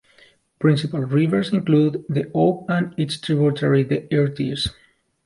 Principal rivers include the Ob and its tributary the Irtysh.